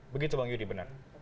begitu bang yudi benar